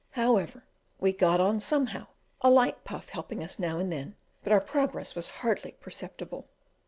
However, we got on somehow, a light puff helping us now and then, but our progress was hardly perceptible.